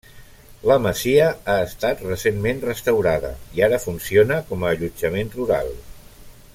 La masia ha estat recentment restaurada i ara funciona com a allotjament rural.